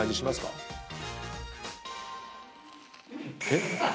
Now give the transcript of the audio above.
えっ？